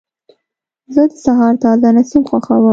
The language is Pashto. زه د سهار تازه نسیم خوښوم.